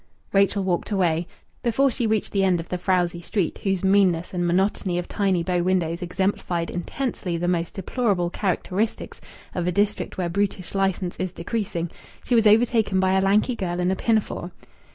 Rachel walked away. Before she reached the end of the frowsy street, whose meanness and monotony of tiny bow windows exemplified intensely the most deplorable characteristics of a district where brutish licence is decreasing, she was overtaken by a lanky girl in a pinafore.